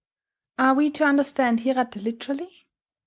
Are we to understand Hirata literally?